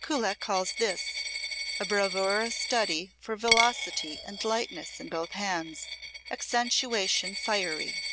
Kullak calls this "a bravura study for velocity and lightness in both hands. Accentuation fiery!"